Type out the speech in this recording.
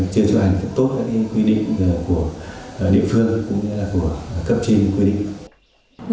chưa chấp hành tốt cái quy định của địa phương cũng như là của cấp trình quy định